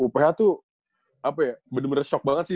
uph tuh apa ya bener bener shock banget sih